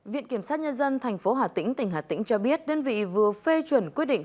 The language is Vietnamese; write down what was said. viện kiểm sát nhân dân tp hà tĩnh tỉnh hà tĩnh cho biết đơn vị vừa phê chuẩn quyết định